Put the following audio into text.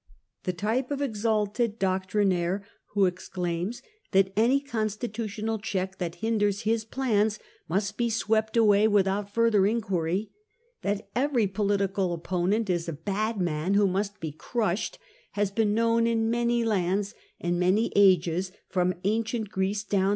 The type of exalted THE YOUTH OF TIBEEIUS 13 doctrinaire who exclaims that any constitutional check that hinders his plans must he swept away without further inquiry, that every political opponent is a bad man who must he crushed, has been known in many lands and many ages, 4rem ^ndient:J3reece ::^dawn.